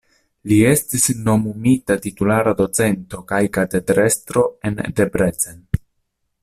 Li estis nomumita titulara docento kaj katedrestro en Debrecen.